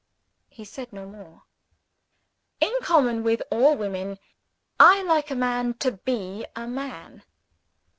He said no more. In common with all women, I like a man to be a man.